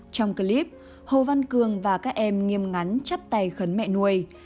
trong clip hồ văn cường và các em nghiêm ngắn chấp tay khấn mẹ nuôi